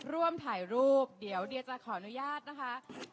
ร่วมถ่ายรูปเดี๋ยวเดียจะขออนุญาตนะคะ